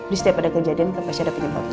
di setiap ada kejadian pasti ada penyebabnya